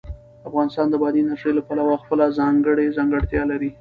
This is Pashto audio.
افغانستان د بادي انرژي له پلوه خپله ځانګړې ځانګړتیا لري.